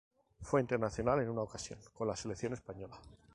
Fue internacional en una ocasión con la selección española.